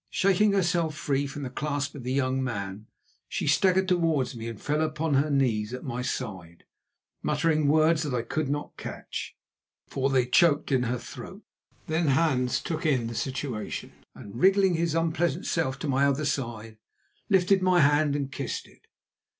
Shaking herself free from the clasp of the young man, she staggered towards me and fell upon her knees at my side, muttering words that I could not catch, for they choked in her throat. Then Hans took in the situation, and wriggling his unpleasant self to my other side, lifted my hand and kissed it.